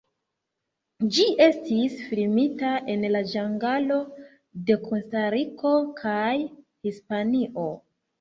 Ĝi estis filmita en la ĝangalo de Kostariko kaj Hispanio.